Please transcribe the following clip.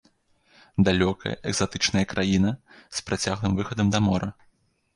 Далёкая, экзатычная краіна, з працяглым выхадам да мора.